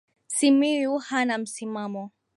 Simuyu hana msimamo.